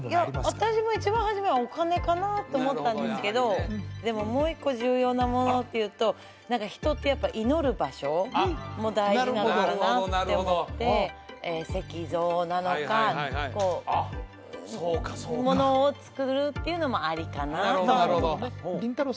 私も一番初めはお金かなと思ったんですけどでももう一個重要なものっていうと何か人ってやっぱ祈る場所も大事なのかなって思ってなるほどなるほどものをつくるっていうのもありかなとも思ったりんたろー。